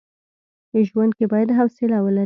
ژوند کي بايد حوصله ولري.